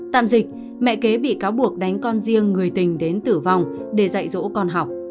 tạm dịch mẹ kế bị cáo buộc đánh con riêng người tình đến tử vong để dạy dỗ con học